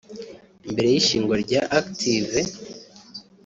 Mbere y’ishingwa rya Active